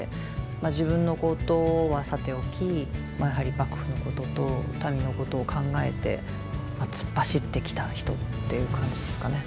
自分のことはさておきやはり幕府のことと民のことを考えて突っ走ってきた人っていう感じですかね。